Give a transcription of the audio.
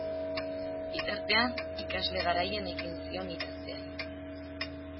Bitartean, ikasle garaian ekin zion idazteari.